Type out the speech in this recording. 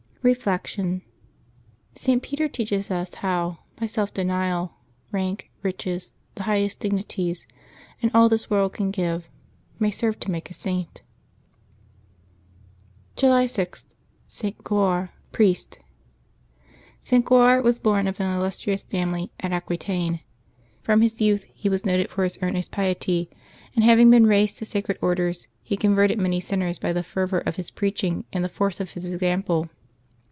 Reflection. — St. Peter teaohes us how, by self denial, rank, riches, the highest dignities, and all this world can give, may serve to make a Saint July 6. — ST. GOAR, Priest. @T. GrOAR was born of an illustrious family, at Aqui taine. From his youth he was noted for his earnest piety, and, having been raised to sacred orders, he con verted many sinners by the fervor of his preaching and the force of his example.